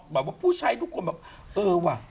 บอกว่าผู้ใช้ทุกคนแบบเออว่ะ